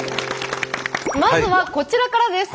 まずはこちらからです。